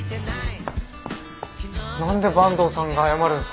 何で坂東さんが謝るんすか。